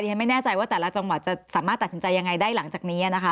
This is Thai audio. ฉันไม่แน่ใจว่าแต่ละจังหวัดจะสามารถตัดสินใจยังไงได้หลังจากนี้นะคะ